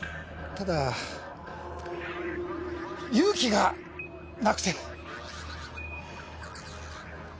ただ勇気がなくて。